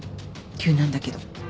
急なんだけど。